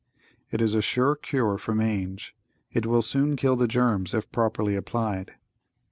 It is a sure cure for mange. It will soon kill the germs, if properly applied.